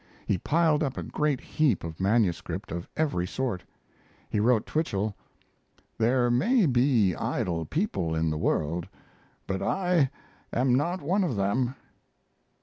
He piled up a great heap of manuscript of every sort. He wrote Twichell: There may be idle people in the world, but I am not one of them.